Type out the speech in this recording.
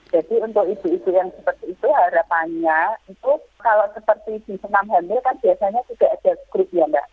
jadi untuk ibu ibu yang seperti itu harapannya itu kalau seperti di senam hamil kan biasanya sudah ada grup ya mbak